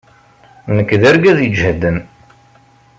Nekk d argaz iǧehden.